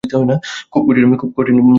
খুব কঠিন ডিল না!